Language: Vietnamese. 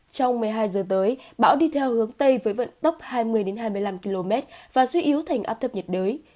trong một mươi hai giờ tới bão đi theo hướng tây với vận tốc hai mươi hai mươi năm km và suy yếu thành áp thấp nhiệt đới